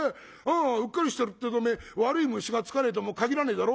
うっかりしてるってえとね悪い虫がつかねえとも限らねえだろ。